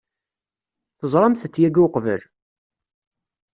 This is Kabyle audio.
Teẓramt-t yagi uqbel?